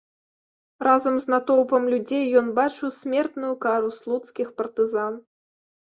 Разам з натоўпам людзей ён бачыў смертную кару слуцкіх партызан.